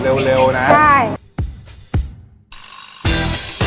ต้องเร่งให้มีไฟขึ้นนะครับ